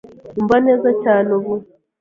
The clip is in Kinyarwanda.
Umva neza cyane ubu